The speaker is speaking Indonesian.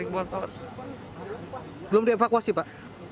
belum dievakuasi pak